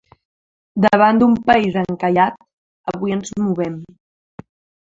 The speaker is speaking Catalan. Davant d’un país encallat, avui ens movem.